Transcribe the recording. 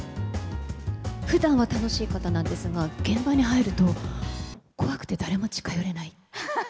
ふだんは楽しい方なんですが、現場に入ると、怖くて誰も近寄れない。